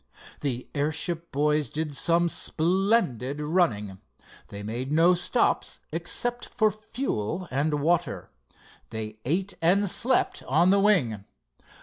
The airship boys did some splendid running. They made no stops except for fuel and water. They ate and slept on the wing.